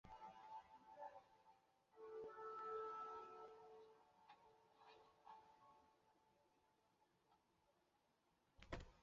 阳虎花花介为细花介科花花介属下的一个种。